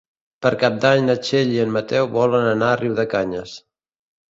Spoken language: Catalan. Per Cap d'Any na Txell i en Mateu volen anar a Riudecanyes.